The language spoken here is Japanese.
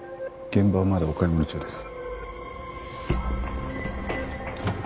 現場はまだお買い物中です。